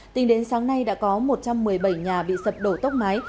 tính đến sáng nay đã có một trăm một mươi bảy nhà bị sập đổ tốc mái